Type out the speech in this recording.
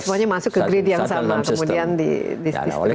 semuanya masuk ke grade yang sama kemudian di distribusi